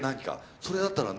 それだったらね